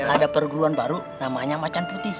ada perguruan baru namanya macan putih